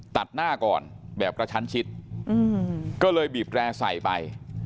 ตัดหน้าก่อนแบบกระชั้นชิดก็เลยบีบแร่ใส่ไป